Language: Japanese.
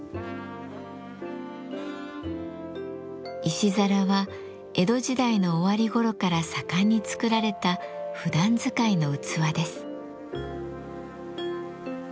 石皿は江戸時代の終わり頃から盛んに作られたふだん使いの器です。